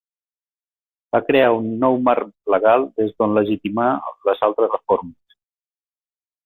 Va crear un nou marc legal des d'on legitimar les altres reformes.